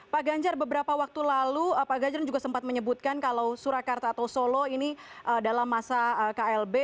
pak ganjar beberapa waktu lalu pak ganjar juga sempat menyebutkan kalau surakarta atau solo ini dalam masa klb